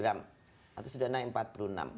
atau sudah naik empat puluh enam